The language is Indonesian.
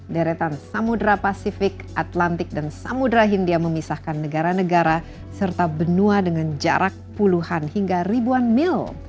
deretan samudera pasifik atlantik dan samudera hindia memisahkan negara negara serta benua dengan jarak puluhan hingga ribuan mil